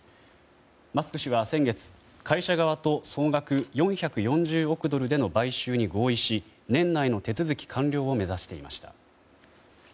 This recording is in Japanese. マスク氏は先月、会社側と総額４４０億ドルでの買収に合意し年内の手続き完了を目指していました。